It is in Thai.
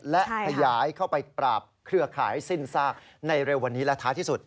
และขยายเข้าไปปราบเครือข่ายสิ้นซากในเร็ววันนี้และท้ายที่สุด